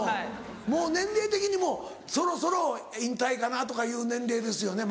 もう年齢的にそろそろ引退かなとかいう年齢ですよね？